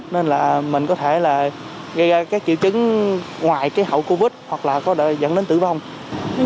nên là mình có thể là gây các triệu chứng ngoài cái hậu covid hoặc là có dẫn đến tử vong